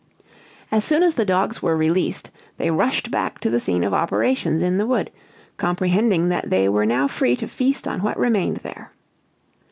As soon as the dogs were released, they rushed back to the scene of operations in the wood, comprehending that they were now free to feast on what remained there.